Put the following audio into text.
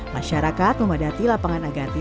masyarakat memadati lapangan agatis